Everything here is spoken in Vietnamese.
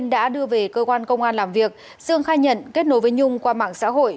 trước về cơ quan công an làm việc dương khai nhận kết nối với nhung qua mạng xã hội